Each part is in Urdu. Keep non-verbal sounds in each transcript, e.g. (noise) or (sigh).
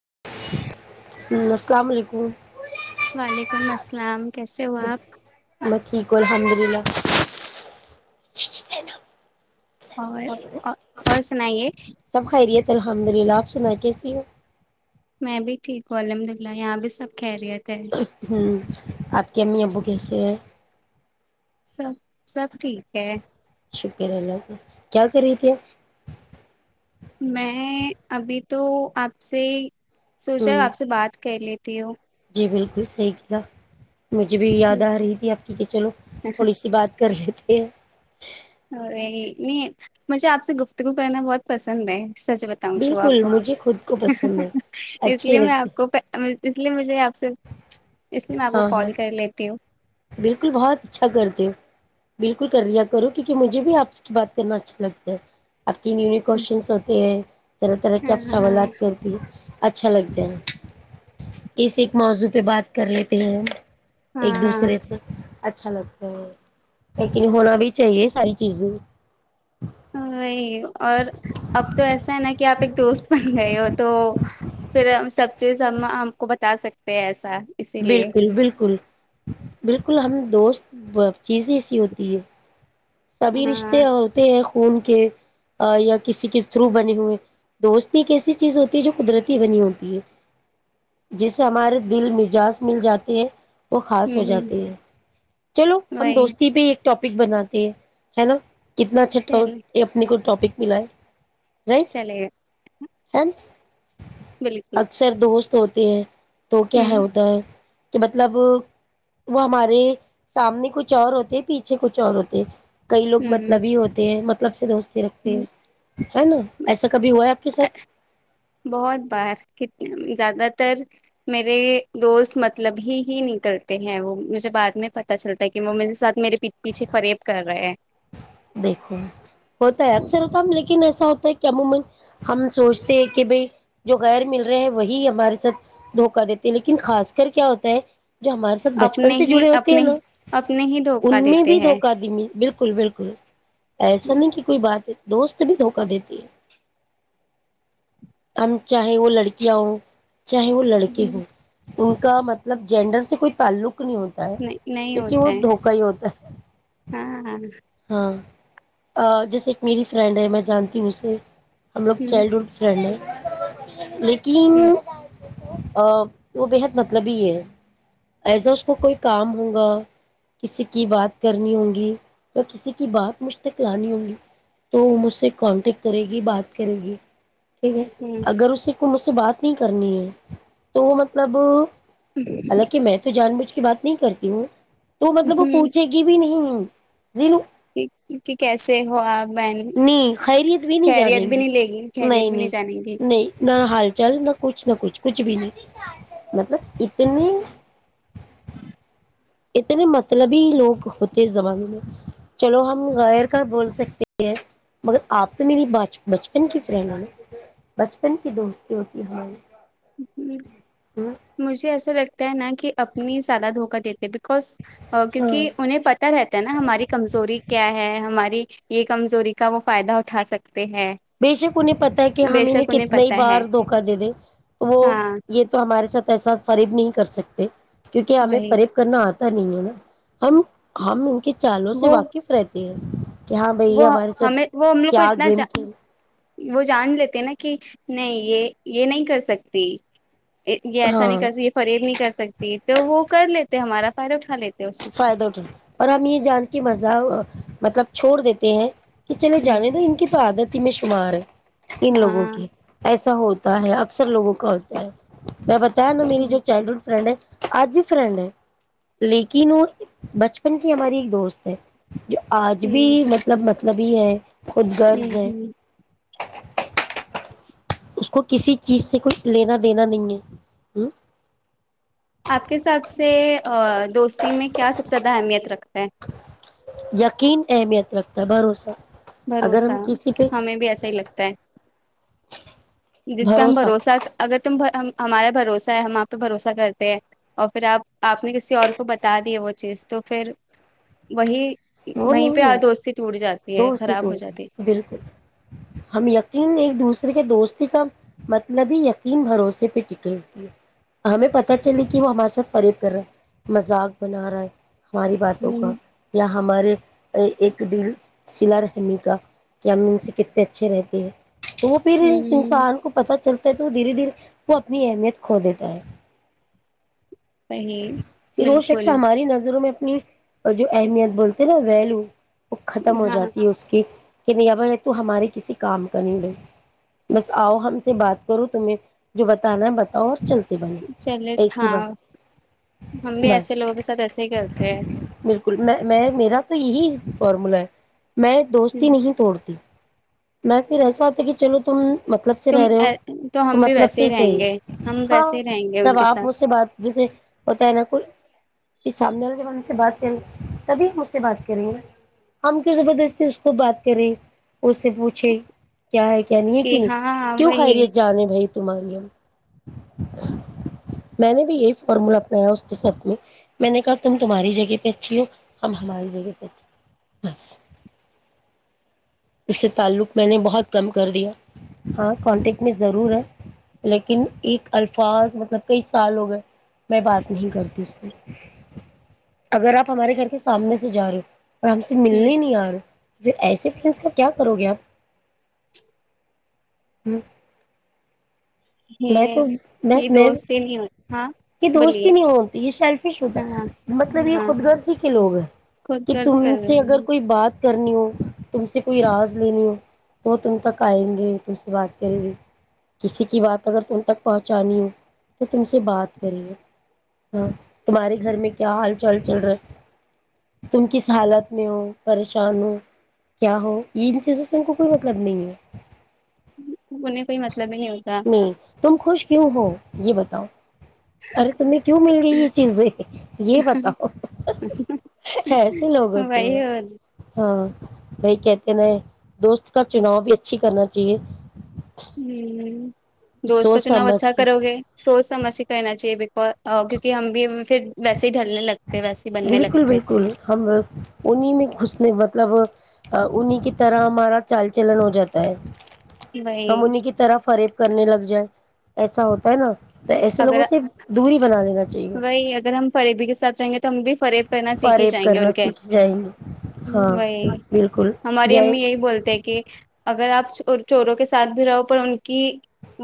(inaudible) (unintelligible) وعلیکم السلام کیسے ہوا آپ میں ٹھیک ہ الحمد للہ (unintelligible) اور سنائیے سب خیریت الحمد للہ آپ سن کیسی ہو میں بھی ٹھیک ہوں الحمد ل اللہ یہاں بھی سب کہہ رہی ہوں آپ کے امی ا بوکیسی سب ٹھیک ہے کیا کر رہی تھی میں ابھی تو اپ سے ہوں سوچا اپ سے بات کر لیتی ہوں جی بالکل صحیح کیا مجھے بھی یاد ا رہی تھی اپ کی کہ چلو تھوڑی سی بات کر لیتے ہیں اور مجھے اپ سے گفتگو کرنا بہت پسند ہے اس طرح سے بتاؤں تو اپ بالکل کو مجھے خود کو پسند ہے اس اچھے لیے میں لگتے اپ کو اس لیے مجھے اپ سے اس لیے میں آپ کو ہاں ہاں کال کر لیتی ہوں ش کر لیا کرو کیکہ مجھے بھی آپ کی بات کرنا اچھا لگتا ہے آپ کی نیوون کوشچنس ہوتے ہیں ہاں ہاں سوالات کرتی ہوں اچھا لگتا ہے اس ایک موضوع پہ بات کر لیتی ہیں ہم ایک ہاں دوسرے سے اچھا لگتا ہے لیکن ہونا بھی چاہیے ساری چیزیں وہی اور اب تو ایسا ہے نا کہ آپ ایک دوست بن گئے ہو تو پھر سب چیز ہم ہم کو بتا سکتے ہیں ایسا اسی لیے بالکل بالکل بالکل ہم دوست وہ چیز ایسی ہوتی ہے سبھی ہاں رشتے ہوتے ہیں خون کے یا کسی کے تھرو بنے ہوئے دوست ایک ایسی چیز ہوتی ہے جو قدرتی بنی ہوتی ہے جسے ہمارے دل مزاج مل جاتے ہیں وہ خاص ہو ہوں ہ جاتی ہے چلو ہم وہی دوستی پہ ایک ٹاپک بناتی ہے ہے نا کتنا چھٹا چلے یہ اپنے کو ٹاپک ملائے چلیے ہم اکثر دوست ہوتے ہیں تو کیا ہے ہوں ادھر تو مطلب وہ ہمارے سامنے کچھ اور ہوتے ہیں پیچھے کچھ اور ہوتے ہیں کئی لوگ ہ مطلب ہی ہوتے ہیں ب سے دوست رکھتے ہیں ہے نا ایسا کبھی ہوا ہے کی سب بہت بارنے زیادہ تر میرے دوست مطلب ہی ہی نکلتے ہیں وہ مجھے بعد میں پت چلتا ہے کہ وہ میرے ساتھ میرے پیچھے فریب کر رہے ہیں دیکھو ہوتا ہے اچھے رقم لیکن ایس ایا ہوتا ہے کہ امومن ہم سوچتے ہیں کہ بھائی جو غیر مل رہے ہیں وہی ہمارے ساتھ دھوکا دیتے ہیں لیکن خاص کر کیا ہوتا ہے جو ہمارے ساتھ بچپن اپنے سے ہی جڑے ہوتے ہیں اپنے نا اپنے ہی ان دھوکا میں دیتے بھی ہیں دھوکہ دیمی بالکل بالکل ایسا نہیں کہ کوئی بات ہے دوست بھی دھوکہ دیتی ہے ہم چاہے وہ لڑکیاں ہو چاہے وہ لڑکے ہو ان کا مطلب جینڈر سے کوئی تعلق نہیں ہوتا ہے نہیں نہیں کیونکہ ہوتا وہ ہے دھوکہ ہی ہوتا ہے ہاں ہاں ہاں جیسے ایک میری فرینڈ ہے میں جانتی ہوں اسے ہم لگ چائلڈ ہوڈ فرینڈ ہیں (unintelligible) ہ تین وہ بےحد مطلب ہی ہے ایسا اس کو کوئی کام ہوگا کسی کی بات کرنی ہوگی کسی کی بات مجھ تک لانی ہوگی تو وہ مجھ سے کانٹیکٹ کرے گی بات کرے گی ٹھیک ہے ہ اگر اسی کو م سے بات نہیں کرنی ہے تو مطلب ہ حالانکہ میں تو جان بھ کی بات نہیں کرتی ہوں تو مطلب وہ پوچھے گی بھی نہیں (unintelligible) جیل ک کیسے ہو آپ بہن نہیں خیریت بھی نہیں خیریت جانیں بھی گی نہیں لے خیریت نہیں بھی نہیں جانیں گی نہیں نہ حال چال نہ کچھ نہ کچھ کچھ بھی نہیں مطلب اتنی (unintelligible) اتنے مطلب ہی لوگ ہوتے اس زمانے میں چلو ہم غیر کا بول سکتے ہیں مگر آپ تو میری بچپن کی فرینڈ بچپن کی دوستی ہوتی ہے ہماری ہ مجھے ایسا لگتا ہے نا کہ اپنی سالہ دھوکہ دیتے بکوز ہاں کیونکہ انہیں پتا رہتا ہے نا ہماری کمزوری کیا ہے ہماری یہ کمزوری کا وہ فائدہ اٹھا سکتے ہیں بے شک انہیں پتا ہے کہ بے ہم انہیں شک کتنا ہی پتا باہار ہے دھوکا دے دیں تو وہ ہاں یہ تو ہمارے ساتھ ایسا فریب نہیں کر سکتے کیونکہ ہمیں وہی فریب کرنا آتا نہیں ہے نا ہم ہم ان کے چالوں سے وہ واقف رہتے ہیں کہ ہاں بھائی وہ ہمارے ساتھ ہمیں وہ ہم لوگ کو کیا اتنا گیم کھیل وہ جان لیتے نا کہ نہیں یہ یہ نہیں کر سکتی یہ ایسا نہیں ہاں کر سک یہ فریر نہیں کر سکتی تو وہ کر لیتے تو ہمارا پائرٹھال فائدہ اٹھ اور ہم یہ جان کی مزہ مطلب چھوڑ دیتے ہیں کہ چلے ہ جانے تو ان کی تو عادت ت میں شمار ان لوگوں ہاں کی ایسے ہوتا ہے اکثر لوگوں کا ہوتا ہے میں بتا تین ن میری جو ہ چائلڈ ہوڈ فرینڈ ہے آج ہی فرنڈ ہے ل کینوں بچپن کی ہماری ایک دوست ہے جو آج ہ بھی مطلب نبی ہے خود ہ غرض ہے ہ اس کو کسی چیز سے کوئی لینا دینا نہیں ہے ہ آپ کے حساب سے آ، دوستی میں کیا سب زیادہ اہمیت رکھ یقین اہمیت رکھ د بھروسہ اگر بھروسہ ہم کسی پہ ہمیں بھی ایسا ہی لگتا ہے جس پہ ہم بھروسہ اگر تم ہمارا بھروسہ ہے ہم آپ پہ بھروسہ کرتے ہیں اور پھر آپ آپ نے کسی اور کو بتا دییا وہ چیز تو پھر وہی وہ وہیں نہیں پہ ہے، دوستی ٹوٹ جاتی ہے دوست خراب ہو جاتی بالکل ہم یقین ایک دوسرے کے دوستی کا مطلب ہی یقین بھروسے پہ ٹٹیے ہوتی ہے ہمیں پت چل کہ وہ ہمارے ساتھ پریب کر رہا ہے مذاق بنا رہا ہے ہماری ہے باتوں کا ہ ہمارے ایک دل سلا رحمی کا کہ ہم ان سے کتنے اچھے رہتے ہیں تو وہ پھر ہ انسان کو پتا چلتا تو دھیرے دھیرے وہ اپنی اہمیت کھو دیتا ہے صحیح پر وہ شخص بالکل ہماری نظروں میں اپنی جو اہمیت بولتے نا ویلو وہ ختم ہو ہاں جاتی ہے اس کی کہ نہیں بھائی تو ہمارے کسی کام کا نہیں رہے بس آؤ ہم سے بات کرو تمہیں جو بتانا ہے بتاؤ اور چلتا ب چلے ایسیی ہاں ہم بات بھی ایسے بس لوگوں کے ساتھ ایسے ہی کرتے بالکل میں میں میرا تو یہی فارمولا ہے میں ہیں دوستی نہیں توڑتی میں پھر ایسا ہوتا کہ چلو تم مطلب سے تم رہ رہے ہو تو ہم بھی مطلب ویسے سے ہی رہیں صحیح ہو گے ہم ہاں ویسے ہی رہیں گے ان جب کے آپ ساتھ مجھ سے بات جیسے ہوتا ہے نا کوئی پ سامنے والا جب ہم سے بات کریں تبھی ہم اس سے بات کریں گے ہم کی زبردستی اس کو بات کریں اس سے پوچھے کیا ہے کیانی ہے کہ نہیں ہاں کیوں وہی خیریت جانے بھائی تاری میں نے بھی یہی فارمولا اپنایا اس کے ساتھ میں میں نے کہا تم تمہاری جگہ پہ اچھی ہو ہم ہماری جگہ پہ اچھی بس اس سے تعلق میں نے بہت کم کر دیا ہاں کانٹیکٹ میں ضرور ہے لیکن ایک الفاظ مطلب کئی سال ہو گئے میں بات نہیں کرتی اس سے اگر آپ ہمارے گھر کے سامنے سے جا رہے ہو آرام سے ملنے نہیں ار پھر ایسے فرینڈس کا کیا کرو گے آپ ہ میں یہ تو میں یہ دوستی نہیں ہو ہاں کہ دوست بولیے ہی نہیں ہوتی یہ شیلفش ہوتا ہاں مطلب یہ ہاں خود غرضی کے لوگ ہیں خود کہ غرض کر تم رہے سے اگر ہیں کوئی بات کرنی ہو تم سے کوئی راز لینی ہو تو وہ تم تک آئیں گے تم سے بات کریں گے کسی کی بات اگر تم تک پہنچانی ہو تو تم سے بات کریے ہاں تمہارے گھر میں کیا حال چال چل رہا ہے تم کس حالت میں ہو پریشان ہو کیا ہو یہ ان چیزوں سے ان کو کوئی مطلب نہیں ہے انہیں کوئی مطلب ہی نہیں ہوتا نہیں تم خوش کیوں ہو یہ بتاؤ ارے تمہیں کیوں مل گئی یہ چیزیں یہ بتاؤ ایسے لوگ ہوتے وہی ہیں اور ہاں بھائی کہتے ن دوست کا چناؤ بھی اچھی کرنا چاہیے ہوں دوست کا سوچ چناؤ سمجھ اچھا کے کرو گے سوچ سمجھ س کہ ہےنا چاہے ب ا کیونکہ ہم بھی پھر ویس ہی ڈلنے لگتے ویسے ہی بننے بالکل لگتے بالکل ہم انیں میں گھسنے مطلب انہی کی طرح ہمارا چال چلن ہو جاتا ہے وہی ہم انہیں کی طرح فریب کرنے لگ جائے ایسا ہوتا ہے نا تو ایسے لوگوں اگر سے دوری بنا لے وہی اگر ہم فریبی کے ساتھ چاہیں گے تو ت ہم بھی فرید کرنا سیکھ ہی فریب جائیں گے ان کرنا کے سیکھ جائیں گے ہاں وہی بالکل ہماری یہ امی یہی بولتے ہیں کہ اگر آپ چوروں کے ساتھ بھی رہو پر ان کی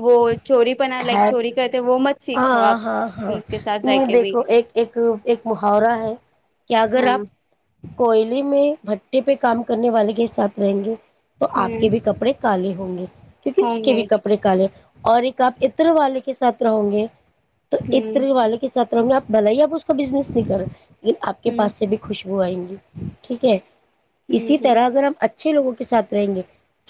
وہ چوری پنا ہے لائک چوری کرتے وہ مت سیکھو ہاں آپ ہاں ہاں کے ساتھ رہ نہیں کے بھی دیکھو ایک ایک ایک محاورہ ہے کیا اگر ہاں آپ کوئلیے میں بھٹٹی پہ کام کرنے والے کے ساتھ رہیں گے تو آپ ہ کے بھی کپڑے کالی ہوں گی کیونکہ اس ہوں کے بھی گے کپڑے کالے اور ایک آپ اتر والے کے ساتھ رہو گے تو ہ اتنے والے کے ساتھ رہوں گے آپ بل ہی آپ اس کا بزنس نہیں کر آپ کے ہ پاس سے بھی خوش وہ آئیں گی ٹھیک ہے اسی ہ طرح اگر ہم اچھا اچھے لوگوں کے سھ رہیں گے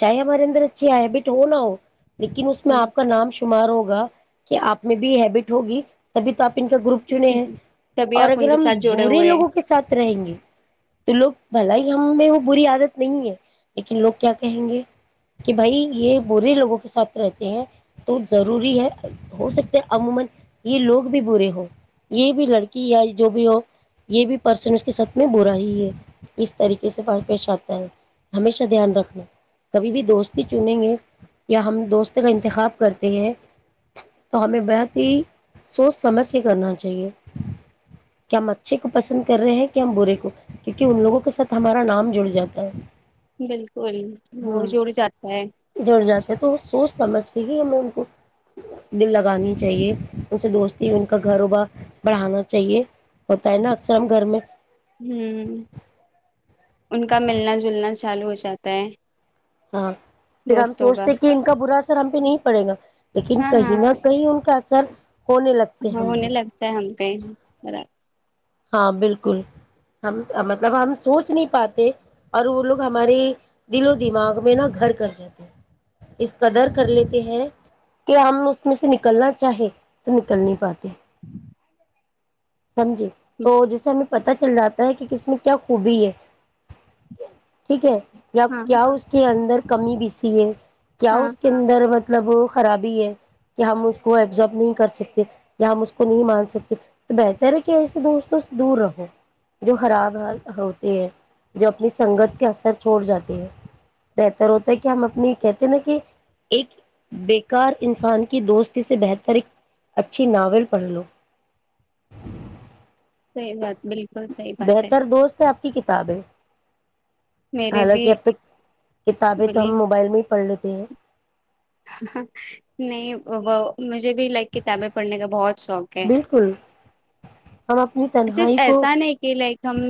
چاہے ہمارے اندر اچھی ہے ہی بٹ ہو نہ ہو لیکن اس ہ میں ہ آپ کا نام شوع شمار ہوگا کہ آپ میں بھی ہیبٹ ہوگی تبھی تو آپ کا گروپ چنے ہیں تبھی اور آپ ان اگر کے ہم ساتھ جڑے برے ہوئے ہیں لوگوں کے ساتھ رہیں گے تو لوگ بھل ہی ہم وہ بری عادت نہیں ہے لیکن لوگ کیا کہیں گے کہ بھائی یہ برے لوگوں کے ساتھ رہتے ہیں ضروری ہے ہو سکتا ہے عموما یہ لوگ بھی برے ہوں یہ بھی لڑکی یا جو بھی ہو یہ بھی پرسن اس کے ساتھ میں برائی ہے اس طریقے سے اور پیش اتا ہے ہمیشہ دھیان رکھنا کبھی بھی دوستی چنیں گے یا ہم دوست کا انتخاب کرتے تو ہمیں بہت ہی سوچ سمجھ کے کرنا چاہیے کیا ہم اچھے کو پسند کر رہے ہیں کہ ہم برے کو کیونکہ ان لوگوں کے ساتھ ہمارا نام جڑ جاتا ہے بالکل وہ ہوں جڑ جاتا ہے جڑ جاتے ہیں تو سوچ سمجھ پ گی دل لگانی چاہیے ان سے دوستی ان کا گھر وبا بڑھانا چاہیے ہوتا ہے نا اکثر ہم گھر میں ہ ان کا ملنا جلنا چالو ہو جاتا ہے ہاں پھر ہم سوچتے کہ ان کا برا اثر ہم پہ نہیں پڑے گا لیکن ہاں کہیں ہاں نہ کہیں ان کا اثر سب (unintelligible) ہونے لگتے ہم پ براب (unintelligible) ہاں بالکل ہم مطلب ہم سوچ نہیں پاتے اور وہ لوگ ہمارے دل و دماغ میں نہا گھر کر جاتے اس قدر کر لیتے ہیں کہ ہم اس میں سے نکلنا چاہے تو نکل نہیں پاتے سمجھی تو جیسے ہم پتا چل جاتا ہے کہ کس میں کیا خوبی ہے ٹھیک ہے ب ہاں کیا اس کے اندر (unintelligible) کمی بی سی ہے (unintelligible) کیا ہاں اس کے اندر ب (unintelligible) مطلب خرابی ہے کہ ہم اس کو ایبزب نہیں کر سکتے یا ہم اس کو نہیں مان سکتے تو بتر کہ ایسے دوستوں سے دور رہو جو خراب حال ہوتے ہیں جو اپنی سنگت کے اثر چھوڑ جاتے ہیں بہتر ہوتا ہے کہ ہم اپنی کہتے نا کہ ایک بیکار انسان کی دوستی سے بہتر ایک اچھی ناول پڑھ لو صحیح بات بالکل صحیح بات ہے بہتر دوست ہے آپ کی کتابیں میرے بھی حالانکہ اب تک کتابیں تو بولیے ہم موبائل میں ہی پڑھ لیتے (unintelligible) ج (unintelligible) نہیں وہ مج (unintelligible) مج بھی لائک کتابیں پڑھنے کا بہت شوق ہے بالکل ہم اپنی صرف تنہائی کو ایسا نہیں کہ لائک ہم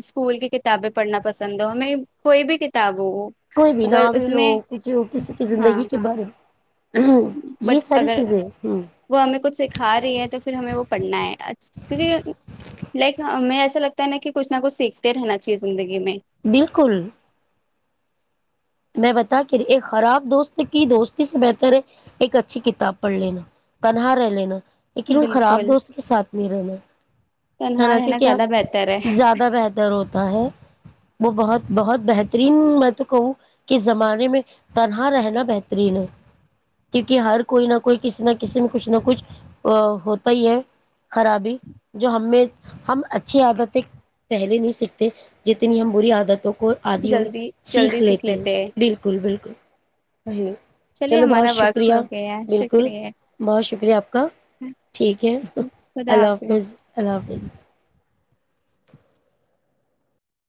اسکول کی کتابیں پڑھنا پسند ہو ہمیں کوئی بھی کتاب ہو کوئی بھی اگر اس ناول ہو میں ک جو کسی کی ہاں زندگی کے بارے میں یہ بٹ ساری اگر چیزیں ہوں وہ ہمیں کچھ سکھا رہی ہے تو پھر ہمیں وہ پڑھنا ہے کیونکہ لائک ہمیں ایسا لگتا نا کچ نہ کچھیکھتے رہنا چاہی زندگی میں بالکل میں بتا کر ایک خراب دوست کی دوستی سے بہتر ہے ایک اچھی کتاب پڑھ لینا تنہا رہ لینا لیکن ان خراب بالکل دوست کے ساتھ نہیں رہنا ہے تنہا نا کی رہنا کیا زیادہ بہتر ہے زیادہ بہتر ہوتا ہے وہ بہت بہت بہترین میں تو کہوں کہ زمانے میں تنہا رہنا بہترین ہے کیونکہ ہر کوئی نہ کوئی کسی نہ کسی میں کچھ نہ کچھ ہوتا ہی ہے خرابی جو ہم میں ہم اچھی عادتیں پہلے نہیں سیکھتے جتنی ہم بری عادتوں کوئی آدیوں سیکھ لیتے ہیں (unintelligible) بالکل بالکل ی چلیے چلو بہت ہمارا وقت شکریہ ہو گیا ہے، بالکل شکریہ بہت شکریہ آپ کا ٹھیک ہے اللہ حافظ اللہ حافظ